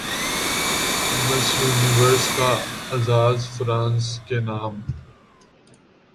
مس Universe کا اعزاز France کے نام